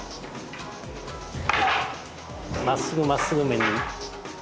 まっすぐまっすぐ面に。